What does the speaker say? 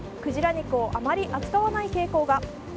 肉をあまり扱わない傾向が。